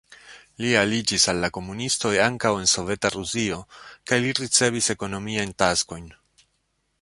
Li aliĝis al la komunistoj ankaŭ en Soveta Rusio kaj li ricevis ekonomiajn taskojn.